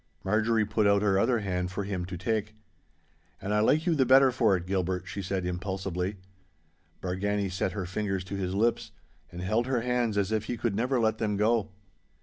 Marjorie put out her other hand for him to take. 'And I like you the better for it, Gilbert,' she said impulsively. Bargany set her fingers to his lips, and held her hands as if he could never let them go.